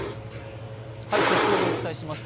速報でお伝えします。